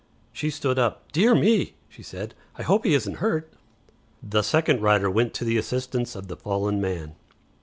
She stood up. "Dear me!" she said. "I hope he isn't hurt." The second rider went to the assistance of the fallen man.